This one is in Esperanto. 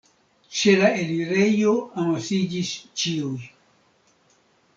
Ĉe la elirejo amasiĝis ĉiuj.